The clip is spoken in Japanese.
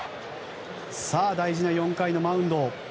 大事な４回のマウンド。